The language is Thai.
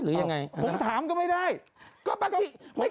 หกถามก็ไม่ได้